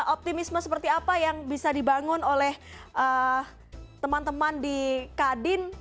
optimisme seperti apa yang bisa dibangun oleh teman teman di kadin